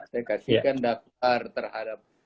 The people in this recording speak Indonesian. saya memberikan daftar terhadap